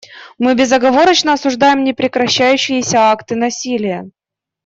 Мы безоговорочно осуждаем непрекращающиеся акты насилия.